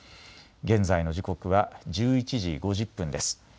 現在の時刻は１１時５０分です。